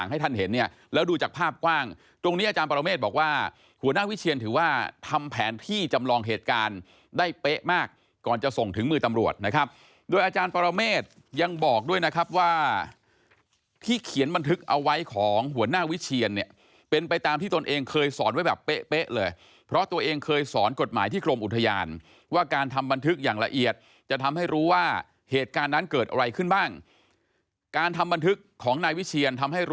อาจารย์ปรเมฆบอกว่าหัวหน้าวิเชียนถือว่าทำแผนที่จำลองเหตุการณ์ได้เป๊ะมากก่อนจะส่งถึงมือตำรวจนะครับโดยอาจารย์ปรเมฆยังบอกด้วยนะครับว่าที่เขียนบันทึกเอาไว้ของหัวหน้าวิเชียนเนี่ยเป็นไปตามที่ตนเองเคยสอนไว้แบบเป๊ะเลยเพราะตัวเองเคยสอนกฎหมายที่กรมอุทยานว่าการทำบันทึกอย่างละเอี